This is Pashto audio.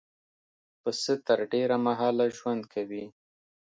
پسه تر ډېره مهاله ژوند کوي.